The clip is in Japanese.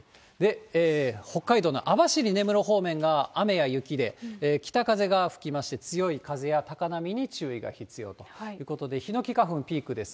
北海道の網走、根室方面が雨や雪で、北風が吹きまして、強い風や高波に注意が必要ということで、ヒノキ花粉ピークです。